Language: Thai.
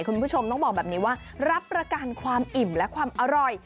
คุณผู้ชมต้องบอกแบบนี้ว่ารับประกันความอิ่มและความอร่อย